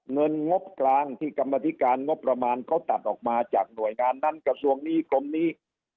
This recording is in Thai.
งบกลางที่กรรมธิการงบประมาณเขาตัดออกมาจากหน่วยงานนั้นกระทรวงนี้กรมนี้